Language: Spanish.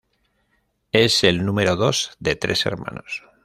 Es el número dos de tres hermanos.